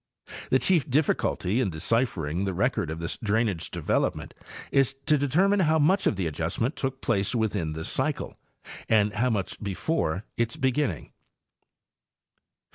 The chief difficulty in deciphering the record of this drainage development is to determine how much of the adjust ment took place within this cycle and how much before its beginning.